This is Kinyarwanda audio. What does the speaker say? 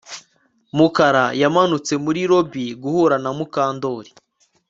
Mukara yamanutse muri lobby guhura na Mukandoli